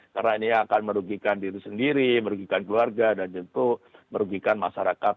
karena ini akan merugikan diri sendiri merugikan keluarga dan tentu merugikan masyarakat